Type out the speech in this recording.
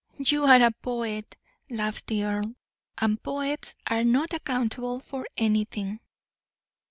"You are a poet," laughed the earl, "and poets are not accountable for anything."